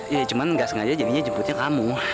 ya cuman nggak sengaja jadinya jemputnya kamu